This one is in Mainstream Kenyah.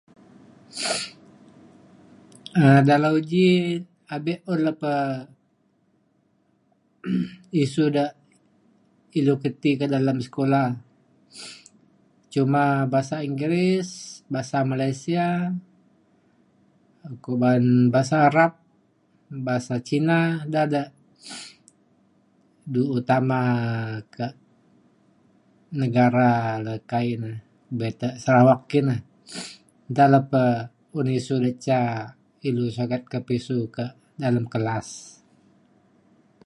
um dalau ji abek un lepe isu de ilu keti ke dalem sekola cuma bahasa inggeris bahasa malaysia okok baan bahasa arab bahasa cina dek du utama kek negara le kai le beta kek Sarawak nta lepe un isu dek ca ilu sokat ke' pisu ke dalem kelas.